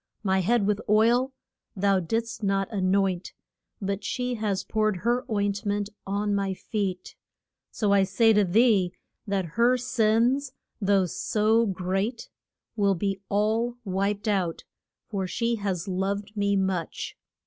My head with oil thou didst not an oint, but she has poured her oint ment on my feet. So I say to thee that her sins, though so great, will be all wiped out, for she has loved me much.